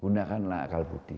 gunakanlah akal budi